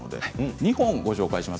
２本、ご紹介します。